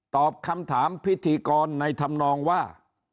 ตอบคำถามพิธีกรในธรรมนองว่า